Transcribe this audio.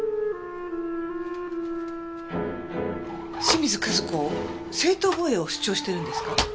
清水和子正当防衛を主張してるんですか？